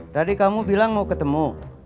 tadi kamu bilang mau ketemu